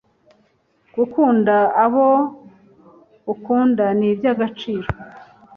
Gukunda abo ukunda nibya agaciro